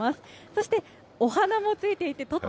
そして、お花もついていて、とっ